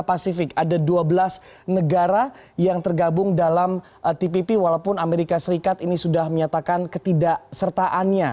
pasifik ada dua belas negara yang tergabung dalam tpp walaupun amerika serikat ini sudah menyatakan ketidaksertaannya